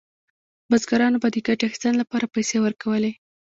بزګرانو به د ګټې اخیستنې لپاره پیسې ورکولې.